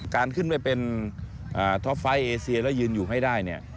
การขึ้นไปเป็นท็อปไฟต์เอเซียแล้วยืนอยู่ให้ได้เนี่ย